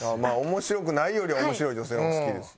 面白くないよりは面白い女性の方が好きです。